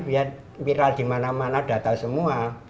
biar viral dimana mana datang semua